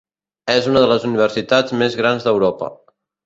És una de les universitats més grans d'Europa.